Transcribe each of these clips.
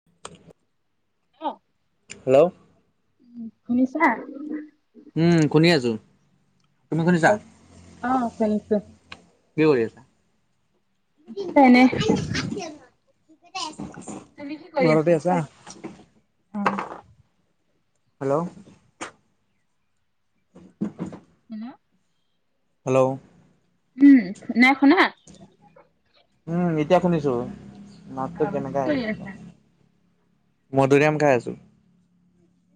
[unintelligible] অহ hello. শুনিছা? উম শুনি আছো। তুমি শুনিছা? অ শুনিছো কি কৰি আছা? এনে তুমি কি কৰি আছা? অ হেল্ল [unintelligible] হেল্ল। হেল্ল'। উম, নাই শুনা? উম, এতিয়া শুনিছো। মাতটো অ কি কেনেকে কৰি আহিছিল আছা মধুৰিআম খাই আছো।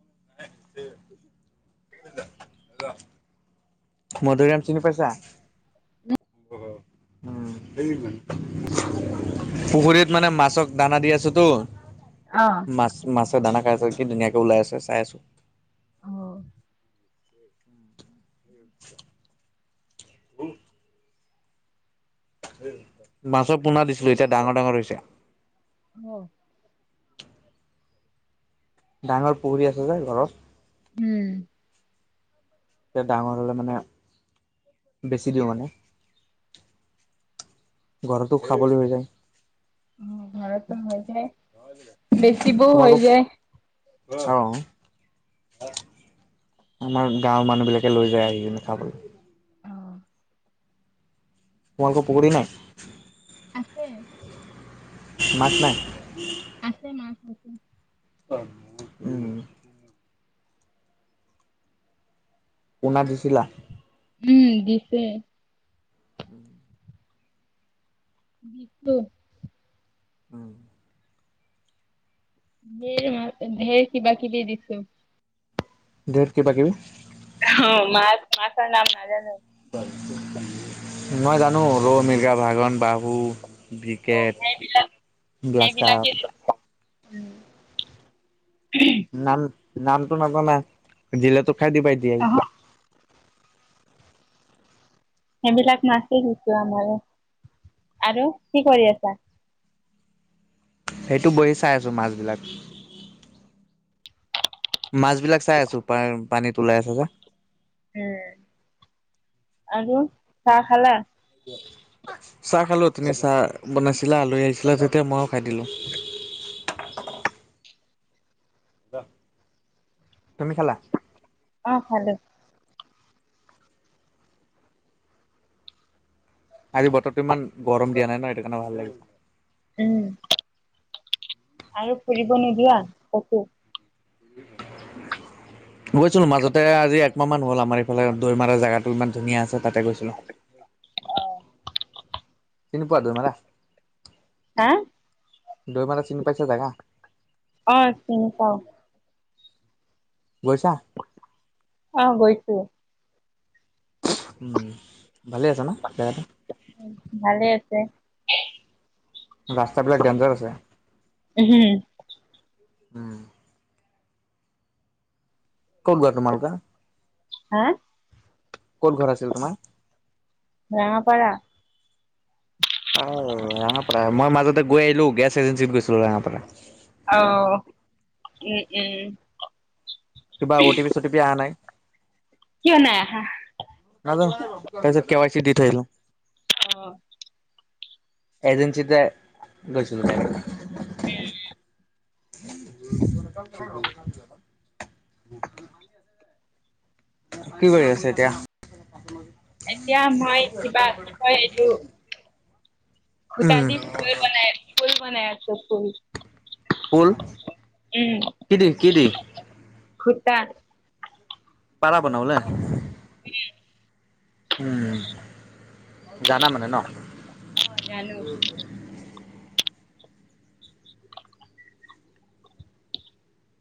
[unintelligible] মধুৰীআম চিনি পাইছা? অ উম উম পুখুৰীত মানে মাছক দানা দি আছোতো। অ। মাছ মাছে দানা খাই আছে কি ধুনীয়াকৈ ওলাই আছে চাই আছো। অ হ। মাছৰ পোনা দিছিলো এতিয়া ডাঙৰ ডাঙৰ হৈছে। অ। ডাঙৰ পুখুৰী আছে যে ঘৰত। উম। এতিয়া ডাঙৰ হ'লে মানে বেছি দিও মানে। ঘৰতো খাবলৈ হৈ যায়। উ ঘৰতো হৈ যায় বেচিবোৰ তোমালোকক হৈ যায় অ। আমাৰ গাওৰূ মানুহ বিলাকে লৈ যায় আহি কিনে খাবলৈ। অ তোমালোকৰ পুখুৰী নাই? আছে। মাছ নাই আছে মাছ আছে। অ, উম। পোনা দিছিলা? উম, দিছে। উম। বিতো উম, ধেই-ধেই কিবা কিবি দিছো। ডেট কিবাকিবি। অ, মা মাছৰ নাম নাজানো। মই জানো ৰৌ, মিৰ্গা, ভাগন, বাহু। অ বিকেট সেইবিলাক গ্লাছ কাপ সেইবলাকে উ ওমহ নাম নামটো নাজানা দিলেটো খাই দিবা এতিয়া। সেইবিলাক নাচে এতিয়া আমাৰ আৰু কি কৰি আছা? সেইটো বহি চাই আছো মাছবিলাক মাছ বিলাক চাই আছো পা পানীত ওলাই আছে যে। উম, আৰু চাহ খালা? চাহ খালো তুমি চাহ বনাইছিলা আলহী আহিছিলা তেতিয়া মইও খাই দিলো। খোৱা, তুমি খেলা? অ খালো। আজি বতৰো ইমান গৰম দিয়া নাই ন সেইটো কাৰণে ভাল লাগিছে। উম, আৰু ফুৰিব নোযোৱা কতো। বুজিছিলো মাজতে আজি একমাহ মান হ'ল আমাৰ। এইফালে দৈমাৰৰ জেগাটো ইমান ধুনীয়া আছে তাতে গৈছিলোঁ। অহঁ, কেনেকুৱা দৈমাৰা? হা দৈমাৰা-দৈমাৰা চিনি পাইছা জাগা। অঁ, চিনি পাওঁ। গৈছা? অঁ, গৈছো। উম, ভালে আছে ন জেগাটো। উম, ভালে আছে। ৰাস্তাবিলাক ডেঞ্জাৰ আছে। হুম, উম, ক'ত গোৱা তোমালোকে? হা, ক'ত ঘৰ আছিল তোমাৰ? ৰঙাপাৰা। অ, ৰাঙাপাৰা মই মাজতে গৈ আহিলো গেছ এজেঞ্চিত গৈছিলো ৰঙাপাৰা। অ, উম-উম, কিবা অটিপি চটিপি অহা নাই? কিয় নাই আহা? নাজানো তাৰপিছত কেৱাই চি দি থৈ আহিলো। অঁ, এজেঞ্চিতে গৈছিলো। উ [unintelligible] কামাম [unintelligible] ব [unintelligible] কি কৰি আছে এতিয়া? এতিয়া মই কিবা এইটো সুটা উম, দি ফুল বনাই ফুল বনাই আছোঁ ফুল। ফুল কি দি কি দি? সুটা। পাৰা বনাবলে। উম, উম, জানা মানে ন। অ জানো।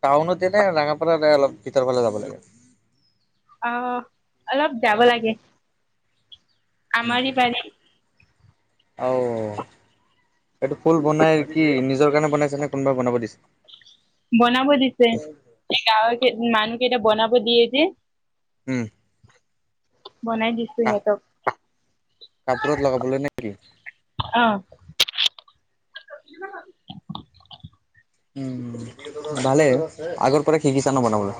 টাউনতেনে ৰঙাপাৰা অলপ ভিতৰ ফালে যাব লাগে। অ অলপ যাব লাগে। আমাৰে পাৰী। অঁ। এইটো ফুল বনাই কি নিজৰ কাৰণে বনাইছে নে কোনোবাই বনাব দিছে। বনাব দিছে গাঁৱ মানুহকেটা বনাব দিয়ে যে। উম, বনাই দিছো কাহ সিহঁতক। কাপোৰত লগাবলে নেকি? অ, উম, ভালে আগৰ পৰা শিকিছা ন বনাবলে।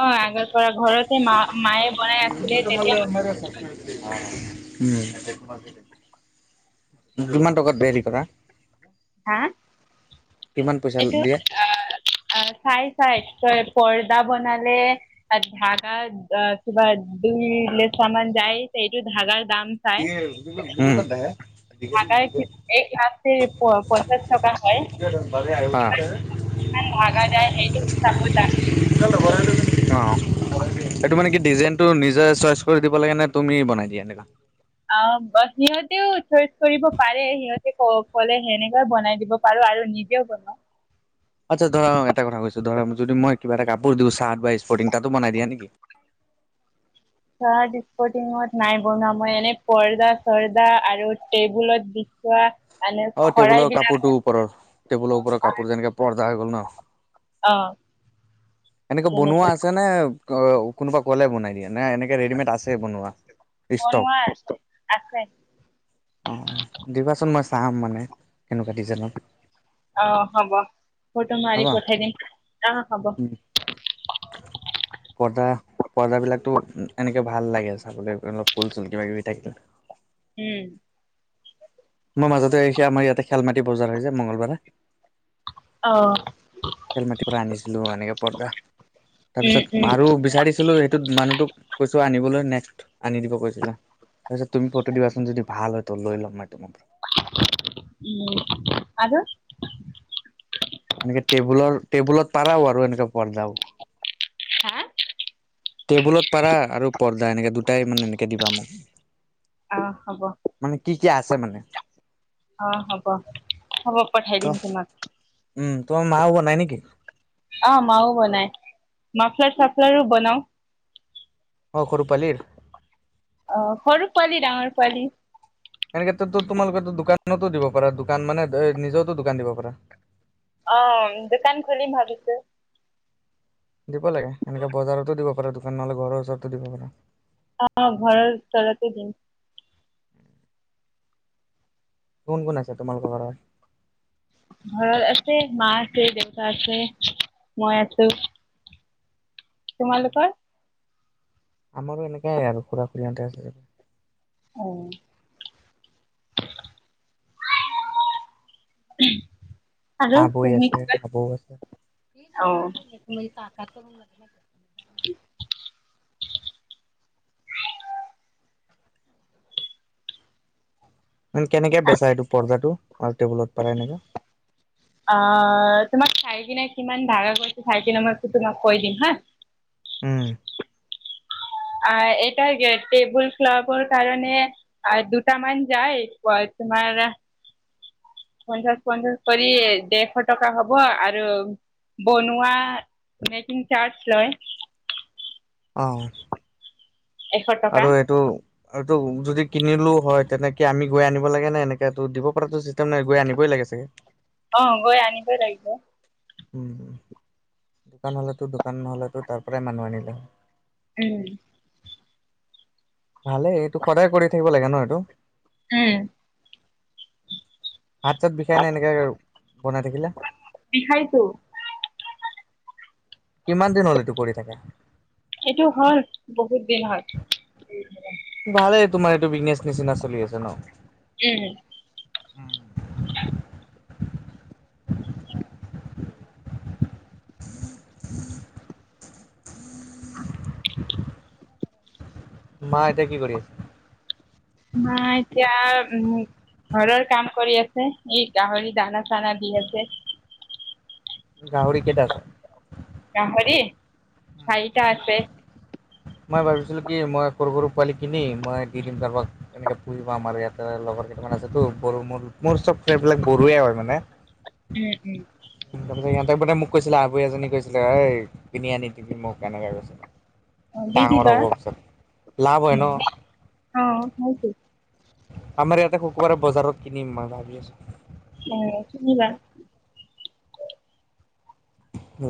অ, আগাৰ পৰা ঘৰতে মা মায়ে বনাই আছিলে তেতিয়া [unintelligible] কিমান টকাত দেলি কৰা। হা। কিমান পইচা এইটো দিয়ে? আঁ‌ আঁ চাই চাইত পৰ্দা বনালে। আত ধাগা আঁ কিবা দুই লেছামান যায় এইটো ধাগাৰ দাম। তি এ কিন্তু উম ধা ধাগাই এক লাচিত প পঞ্চাছ টকা হয়। নাই ভাগা যায় এইটো চাপত বাকি। তেলটো ভৰাই লৈ অঁ। এইটো মানে কি ডিজাইনটো নিজৰ চইচ কৰি দিব লাগে নে তুমি বনাই দিয়া এনেকা। অ বাত সিহঁতেও চইচ কৰিব পাৰে সিহঁতে। ত ক'লে সেনেকৈ বনাই দিব পাৰো আৰু নিজেও বনাও। আচ্ছা ধৰা এটা কথা কৈছো ধৰা মোক যদি মই কিবা এটা কাপোৰ দিওঁ চাৰ্ট বা স্পৰ্টিং তাতো বনাই দিয়া নিকি। চাৰ্ট স্পটিঙত নাই বনোৱা মই এনে পৰ্দা চৰ্দা আৰু টেবুলত দি থোৱা। অ টেবুলৰ কাপোৰটো ওপৰ টেবুলৰ ওপৰ কাপোৰ যেনেকে পৰ্দা হৈ গ'ল ন অ এনেকে বনোৱা তেনেকে আছে নে অ কোনোবা ক'লে বনাই দিয়া নে এনেকে ৰেডিমেড আছে বনোৱা ষ্টক বনোৱা আছে আছে অঁ দিবাচোন মই চাম মানে কেনুকা ডিজাইনত অ হ'ব ফটো মাৰি হ'ব পঠাই দিম অহ হ'ব [unintelligible] পৰ্দা পৰ্দাবিলাকতো এনেকে ভাল লাগে চাবলে অলপ ফুল চুল কিবা কিবি থাকিল। উম। মই মাজতে আইছা আমাৰ ইয়াতে খেল মাটি বজাৰ হয় যে মঙগলবাৰে। অ। খেল মাটিৰ পৰা আনিছিলো এনেকে পৰ্দা তাৰ উম পিছত উম আৰু বিচাৰিছিলো মানুহ তোক কৈছো আনিবলৈ নেক্সট আনি দিব কৈছিলে তাৰপিছ তুমি ফটো দিবাচোন যদি ভাল হয় ত লৈ ল'ম মই তোমাৰ পৰা উম আৰু এনেকে টেবুলৰ টেবুলত পাৰাও আৰু এনেকে পৰ্দাও হা টেবুলত পাৰা আৰু পৰ্দা এনেকে দুটাই মানে এনেকে দিবা মোক অ হ'ব মানে কি কি আছে মানে অ হ'ব হ'ব পঠাই ত দিম তোমাক উম তোমাৰ মা ও বনাই নিকি আ মাও বনাই মাফলাৰ চাফলাৰো বনাও। অঁ সৰুপালিৰ। অ সৰু পোৱালি ডাঙৰ পোৱালি। এনে ক্ষেত্ৰতো তোমালোকেতো দোকানতো দিব পাৰা দোকান মানে নিজৰটো দোকান দিব পাৰা। অ দোকান খুলিম ভাবিছো। দিব লাগে এনেকা বজাৰতো দিব পাৰা দোকান নহ'লে ঘৰৰ ওচৰতো দিব পাৰা অ ঘৰৰ তলতে দিম কোন কোন আছে তোমালোকৰ ঘৰত ঘৰত আছে মা আছে দেউতা আছে মই আছো তোমালোকৰ আমাৰো এনেকাই আৰু খুৰা খুৰীহঁতে আছে। [inaudible] উমহ। আৰু আবৈ তুমি, আছে অঁ মি তাকত কৰ লাগ মে [unintelligible] কি [unintelligible] মানে কেনেকে বেচা এইটো পৰ্দাটো আৰু টেবুলত পাৰ এনেকা। অ তোমাক চাই কিনে কিমান ভাঢ়া গৈছে চাই কিনে মই তোমাক কৈ দিম হা। উম আহ এটাইযে টেবুল ক্লথৰ কাৰণে- আৰু দুটা মান যায়, তোমাৰ- পঞ্চাশ পঞ্চাশ কৰি দেৰশ টকা হব আৰু- বনোৱা, মেকিং চাৰ্জ লয়। অঁ এশ টকা- আৰু এইটো- এইটো যদি কিনিলোও হয় তেনেকে আমি গৈ আনিব লাগেনে এনেকৈ তো দিব পৰাটো চিষ্টেম নাই গৈ আনিবই লাগে চাগে। [inaudible] অঁ গৈ আনিবৈ লাগিব। উম দোকান হলেতো দোকানহলেতো তাৰ পৰাই মানুহ আনিলে হয়। উম ভালে এইটো সদায় কৰি থাকিব লাগে ন এইটো। উম হাত চাত বিষাই নাই এনেকৈ আৰু বনাই থাকিলে। বিষায় টো- কিমান দিন হল এইটো কৰি থাকা। এইটো হল বহুত দিন হয়। ভালেই তোমাৰ এইটো বিজনেচ নিচিনা চলি আছে ন। উম [inaudible] মা এতিয়া কি কৰি আছে। মা এতিয়া উম ঘৰৰ কাম কৰি আছে ই গাহৰি দানা চানা দি আছে। গাহৰি কেইটা আছে। গাহৰি চাৰিটা আছে। মই ভাবিছিলো কি মই সৰু সৰু পোৱালি কিনি মই দি দিম কাৰোবাক। এনেকে পুহিবা আমাৰ ইয়াতে লগৰ কেইটামান আছেতো ব মোৰ। মোৰ চব এইবিলাক বড়োয়ে হয় মানে। উম উম। তাৰপিছত সিহঁতে মানে মোক কৈছিলে আৰু এজনী কৈছিলে ঐ কিনি আনি দিবি মোক এনেকে কৈছিলে। অঁ দি ডাঙৰ দিবা। হ'ব পিছত লাভ হয় ন আমাৰ ইয়াতে শুকুৰবাৰে বজাৰত কিনিম মই ভাবি আছো। অ, শুনিবা?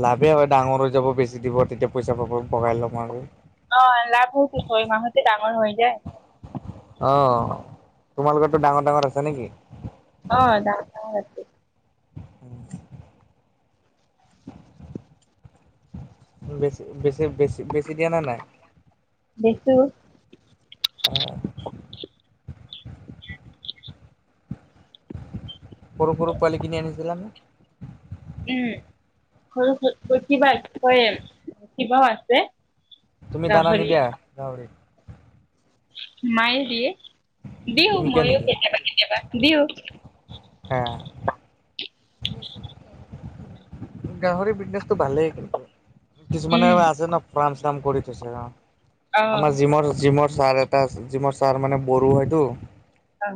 লাভেই হয় ডাঙৰ হৈ যাব বেছি দিব তেতিয়া পইচা পাব বগাই ল'ম আৰু। অ লাভ হৈছে ছমাহতে ডাঙৰ হৈ যায়। অ, তোমালোকতো ডাঙৰ ডাঙৰ আছে নেকি? অ দা [unintelligible] উম। বেছি বেছি বেছি বেছি দিয়া নে নাই। বেছো। সৰু সৰু পোৱালী কিনি আনিছিল নে। উম সৰু কিবা কয় কিবাও আছে। তুমি দানা গাহৰি নিদিয়া গাহৰি। মায়ে দিয়ে দিওঁ তুমি কিয় মই নিদিয়া? কেতিয়াবা কেতিয়াবা দিওঁ। হে। গাহৰি বিজনেচটো ভালেই কিন্তু, কিছুমানে উম আছে ন। কাম চাম কৰি থৈছে অ, অ আমাৰ জিমৰ জিমৰ। ছাৰ এটা জিমৰ ছাৰ মানে বড়ো হয়টো, আং।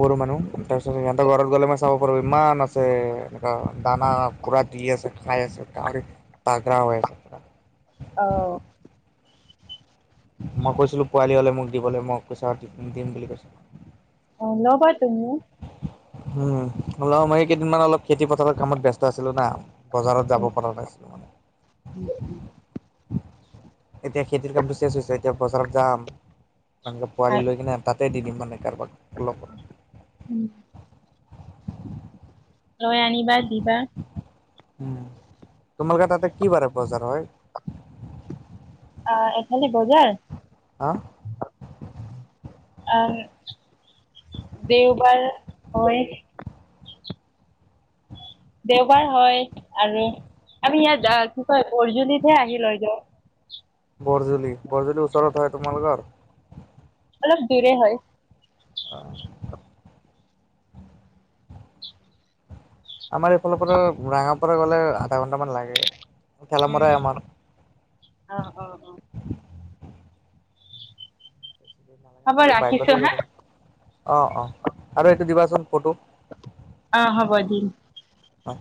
বড়ো মানুহ। তাৰ পিছত সিহঁতে ঘৰত গ'লে মই চাব পাৰো ইমান আছে এনেকা দানা পুৰা দি আছে খাই আছে গাহৰি তাগৰা হৈ আছে। অ। মই কৈছিলোঁ পোৱালি হ'লে মোক দিবলৈ মই পইছা দিম বুলি কৈছ- অ, ল'বা তুমি। উম, লম মই কেইদিনমান অলপ খেতি পথাৰৰ কামত ব্যস্ত আছিলো না। বজাৰত যাব পৰা নাছিল- উ উম। এতিয়া খেতিৰ কামটো চেজ হৈছে এতিয়া বজাৰত যাম এনেকৈ ভাল পোৱালি লৈ কিনে তাতে দি দিম মানে কাৰোবাক লগত। লৈ আনিবা দিবা। উম, তোমালোকে তাতে কি বাৰে বজাৰ হয়? অ, এইফালে বজাৰ? আ। আহ। দেওবাৰ হয়। দেওবাৰ হয় আৰু আমি ইয়াত কি কয় অৰ্জনিতহে আহি লৈ যাওঁ। বৰ্জুলি, বৰ্জুলি ওচৰতে হয় তোমালোকৰ? অলপ দূৰে হয়। আ। আমাৰ এইফালৰ পৰা ৰাঙা পাৰা গ'লে আধা ঘণ্টামান লাগে। ঠেলামৰাই উম, আমাৰ অ অ অ। হ'ব মইটো ৰাখিছো বাইকতে গৈ হা থম। অ অ আৰু এইটো দিবাচোন ফটো। অ হ'ব দিম। অহ।